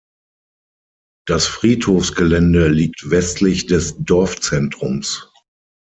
Das Friedhofsgelände liegt westlich des Dorfzentrums.